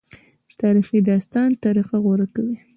تاریخي داستان طریقه غوره کوي.